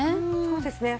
そうですね。